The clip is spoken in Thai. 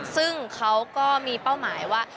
ซึ่งเขาก็มีเป้าหมายว่า